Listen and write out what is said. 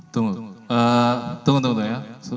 tunggu tunggu ya